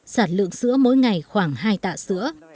sản lượng sữa mỗi ngày khoảng hai tạ sữa